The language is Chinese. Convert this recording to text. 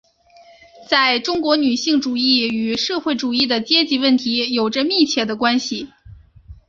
在中国女性主义与社会主义和阶级问题有着密切的关系。